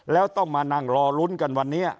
แล้วต้องมานั่งรอลุ้นกันวันนี้